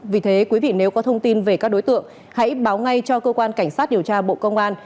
vì thế quý vị nếu có thông tin về các đối tượng hãy báo ngay cho cơ quan cảnh sát điều tra bộ công an